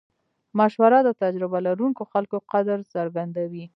مشوره د تجربه لرونکو خلکو قدر څرګندوي.